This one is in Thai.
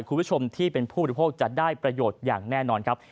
คุณผู้ชมที่เป็นผู้บริโภคจะได้ประโยชน์อย่างแน่นอนครับ